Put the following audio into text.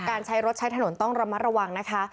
การใช้รถใช้ถนนต้องระมัดระวังนะคะ